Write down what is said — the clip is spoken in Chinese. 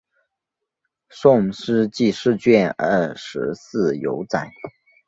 宋诗纪事卷二十四有载。